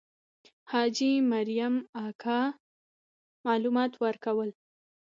حاجي مریم اکا معلومات ورکول.